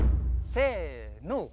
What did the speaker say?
せの。